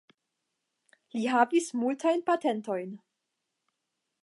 Li havis multajn patentojn.